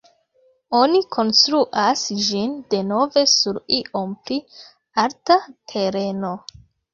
Oni konstruas ĝin denove sur iom pli alta tereno.